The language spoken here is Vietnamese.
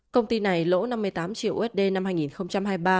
công ty này lỗ năm mươi tám triệu usd năm hai nghìn hai mươi ba